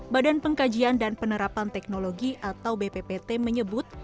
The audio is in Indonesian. badan pengkajian dan penerapan teknologi atau bppt menyebut